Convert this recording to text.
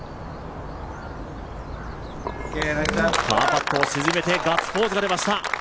パーパットを沈めてガッツポーズが出ました。